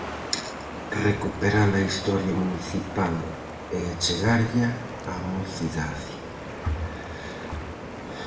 Recuperar a historia municipal e achegarlla á mocidade.